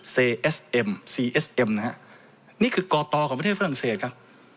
เอสเอ็มซีเอสเอ็มนะฮะนี่คือกตของประเทศฝรั่งเศสครับ